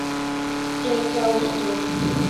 El claustro.